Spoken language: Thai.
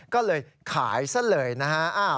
ก็เลยขายซะเลยนะฮะ